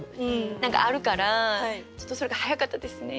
何かあるからちょっとそれが早かったですね。